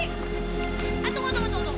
ah tunggu tunggu tunggu